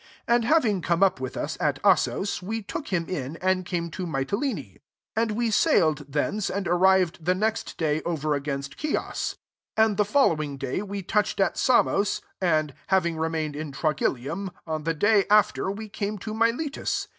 14 And, having come up with us, at Assos, we took him in, and came to Mi* tylen^. 15 And we sailed thence, and arrived the next day over against Chios; and the following day we touched at Samos, and, having remained at Trogyllium, on the day after we came to Miletus.